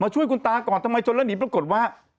ช่วยคุณตาก่อนทำไมชนแล้วหนีปรากฏว่า